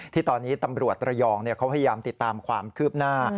ที่ตอนนี้ตำรวจระยองเขาพยายามติดตามความคืบหน้า